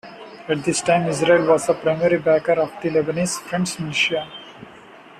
At this time, Israel was the primary backer of the Lebanese Front's militia.